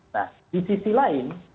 nah di sisi lain